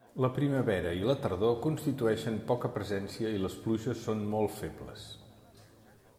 La primavera i la tardor constitueixen poca presència i les pluges són molt febles.